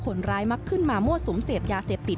มักขึ้นมามั่วสุมเสพยาเสพติด